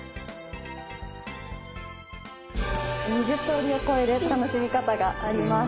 ２０通りを超える楽しみ方があります。